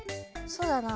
そうだな。